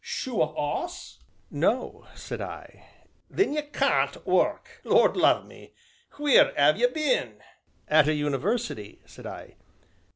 "Shoe a 'oss?" "No," said I. "Then ye can't work Lord love me, wheer 'ave 'e been?" "At a university," said I.